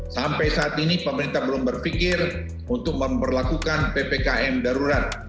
sampai saat ini pemerintah belum berpikir untuk memperlakukan ppkm darurat